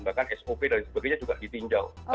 bahkan sop dan sebagainya juga ditinjau